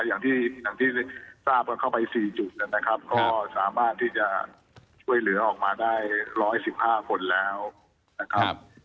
อย่างที่ทราบกันเข้าไป๔จุดนะครับก็สามารถที่จะช่วยเหลือออกมาได้๑๑๕คนแล้วนะครับ